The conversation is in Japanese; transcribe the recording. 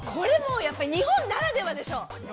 ◆日本ならではでしょう？